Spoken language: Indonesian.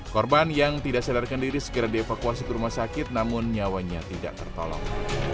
korban yang tidak sadarkan diri segera dievakuasi ke rumah sakit namun nyawanya tidak tertolong